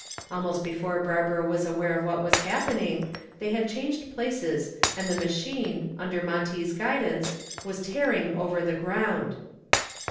Almost before Barbara was aware of what was happening they had changed places and the machine, under Monty's guidance, was tearing over the ground.